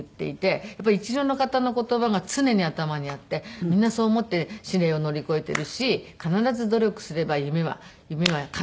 やっぱり一流の方の言葉が常に頭にあってみんなそう思って試練を乗り越えているし必ず努力すれば夢はかなう。